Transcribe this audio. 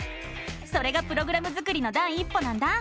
それがプログラム作りの第一歩なんだ！